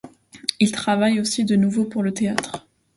Il travaille aussi de nouveau pour le théâtre.